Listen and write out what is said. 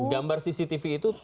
artinya gambar cctv itu